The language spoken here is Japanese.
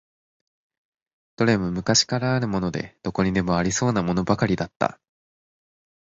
どれも昔からあるもので、どこにでもありそうなものばかりだった。